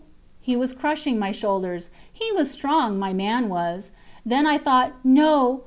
He was crushing my shoulders. He was strong, my man was! Then I thought: No!